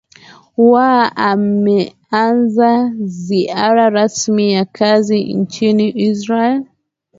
wa ameanza ziara rasmi ya kikazi nchini israel